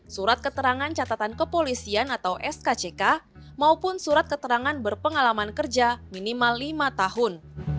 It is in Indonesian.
surat keterangan catatan kepolisian atau skck maupun surat keterangan berpengalaman kerja minimal lima tahun